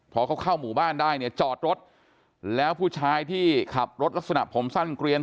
พอเขาเข้าหมู่บ้านได้เนี่ยจอดรถแล้วผู้ชายที่ขับรถลักษณะผมสั้นเกลียน